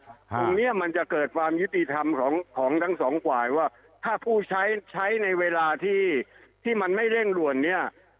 ตรงนี้มันจะเกิดความยุติธรรมของทั้งสองฝ่ายว่าถ้าผู้ใช้ใช้ในเวลาที่มันไม่เร่งด่วนเนี่ย